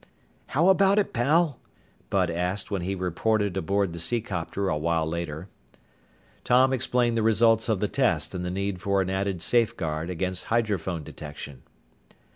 "How about it, pal?" Bud asked, when he reported aboard the seacopter a while later. Tom explained the results of the test and the need for an added safeguard against hydrophone detection.